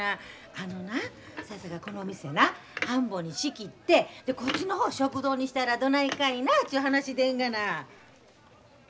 あのなせやさかいこの店な半分に仕切ってこっちの方を食堂にしたらどないかいなちゅう話でんがな。